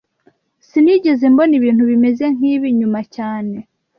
Sinigeze mbona ibintu bimeze nkibi nyuma cyane